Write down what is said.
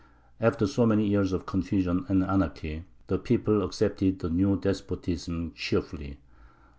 After so many years of confusion and anarchy, the people accepted the new despotism cheerfully.